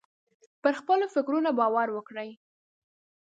پر خپلو فکرونو باور وکړئ.